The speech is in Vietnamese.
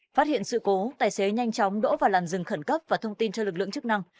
phát hiện sự cố tài xế nhanh chóng đỗ vào làn rừng khẩn cấp và thông tin cho lực lượng chức năng